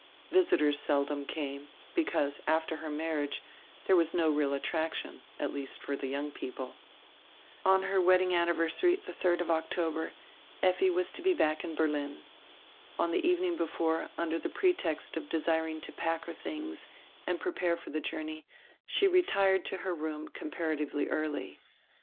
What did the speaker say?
Visitors seldom came, because after her marriage there was no real attraction, at least for the young people. On her wedding anniversary, the 3d of October, Effi was to be back in Berlin. On the evening before, under the pre text of desiring to pack her tilings and prepare for the journey, she retired to her room comparatively early.